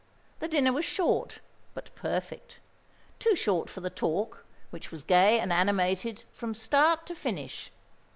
The dinner was short, but perfect: too short for the talk, which was gay and animated from start to finish.